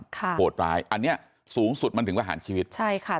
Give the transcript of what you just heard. โหดร้ายอันเนี้ยสูงสุดมันถึงประหารชีวิตใช่ค่ะ